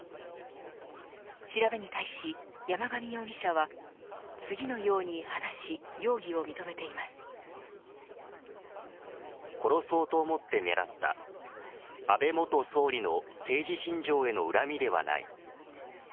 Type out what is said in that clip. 調べに対し山上容疑者は次のように話し殺そうと思って狙った安倍元総理の政治信条への恨みではない。